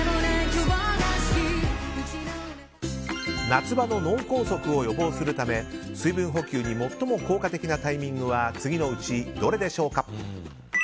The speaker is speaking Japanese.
夏場の脳梗塞を予防するため水分補給に最も効果的なタイミングは次のうちどれでしょうか？